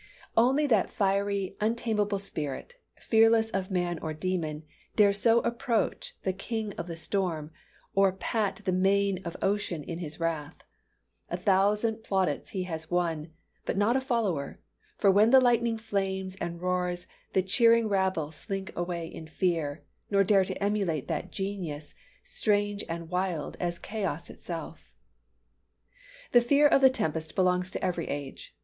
Only that fiery, untameable spirit, fearless of man or demon, dare so approach the King of the Storm, or pat the mane of Ocean in his wrath. A thousand plaudits has he won but not a follower: for when the lightning flames and roars, the cheering rabble slink away in fear, nor dare to emulate that genius, strange and wild as chaos as itself. [Illustration: THE LYSE FIORD.] The fear of the tempest belongs to every age.